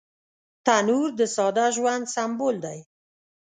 تنور د ساده ژوند سمبول دی